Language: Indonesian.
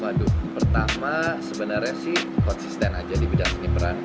waduh pertama sebenarnya sih konsisten aja di bidang ini peran